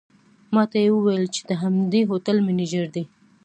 ماته یې وویل چې د همدې هوټل منیجر دی.